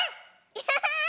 アハハ！